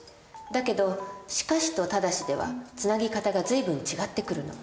だけど「しかし」と「ただし」ではつなぎ方が随分違ってくるの。